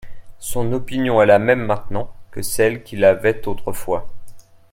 Son opinion est la même maintenant que celle qu'il avait autrefois.